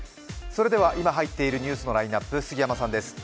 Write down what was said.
今、入っているニュースのラインナップ、杉山さんです。